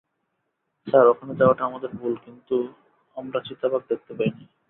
Sir, ওখানে যাওয়াটা আমাদের ভুল কিন্তু, আমরা চিতাবাঘ দেখতে পাইনি।